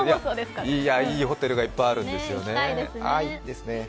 いいホテルがいっぱいあるんですよね。